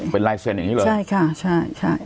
เป็นลายเซ็นต์อย่างนี้เลยใช่ค่ะใช่ใช่